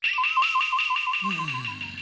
うん。